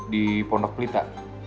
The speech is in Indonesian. di pondok pelita